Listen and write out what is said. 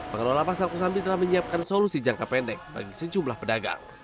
pengelola pasar kosambi telah menyiapkan solusi jangka pendek bagi sejumlah pedagang